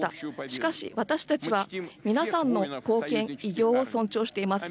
しかし私たちは皆さんの貢献、偉業を尊重しています。